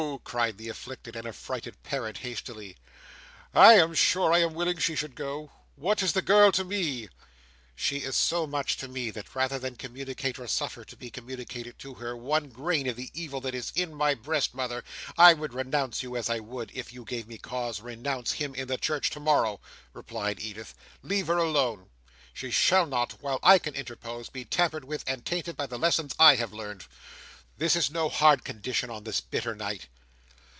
cried the afflicted and affrighted parent, hastily. "I am sure I am willing she should go. What is the girl to me?" "She is so much to me, that rather than communicate, or suffer to be communicated to her, one grain of the evil that is in my breast, mother, I would renounce you, as I would (if you gave me cause) renounce him in the church to morrow," replied Edith. "Leave her alone. She shall not, while I can interpose, be tampered with and tainted by the lessons I have learned. This is no hard condition on this bitter night."